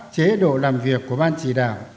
chế độ làm việc của ban chỉ đạo